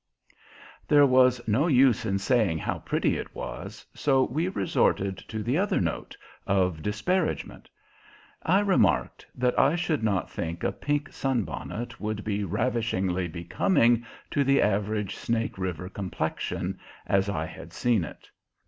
There was no use in saying how pretty it was, so we resorted to the other note, of disparagement. I remarked that I should not think a pink sunbonnet would be ravishingly becoming to the average Snake River complexion, as I had seen it.